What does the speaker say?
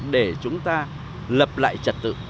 để chúng ta lập lại trật tự